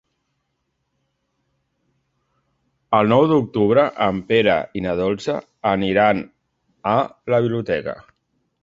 El nou d'octubre en Pere i na Dolça aniran a la biblioteca.